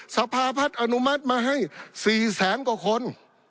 สภาพัฒน์อนุมัติมาให้๔แสนกว่าคน